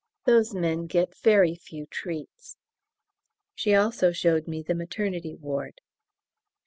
Those men get very few treats. She also showed me the Maternity Ward.